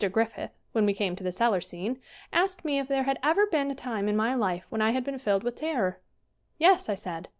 Griffith, when we came to the cellar scene, asked me if there had ever been a time in my life when I had been filled with terror. "Yes," I said.